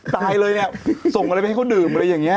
ตายเลยเนี่ยส่งอะไรไปให้เขาดื่มอะไรอย่างนี้